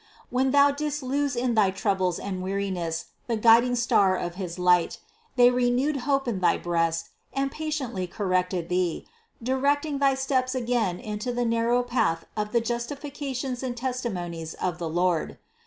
When thou didst lose in thy troubles and weariness the guiding star of his light, they renewed hope in thy breast, and patient ly corrected thee, directing thy footsteps again into the narrow path of the justifications and testimonies of the Lord.